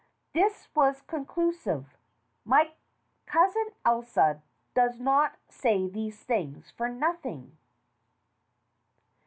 This was conclusive. My cousin Elsa does not say these things for nothing.